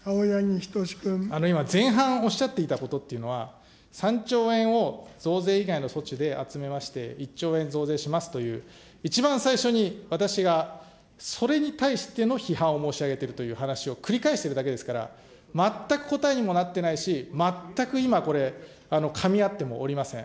今、前半おっしゃっていたことっていうのは、３兆円を増税以外の措置で集めまして、１兆円増税しますという、一番最初に私がそれに対しての批判を申し上げているという話を繰り返してるだけですから、全く答えにもなってないし、全く今、これ、かみ合ってもおりません。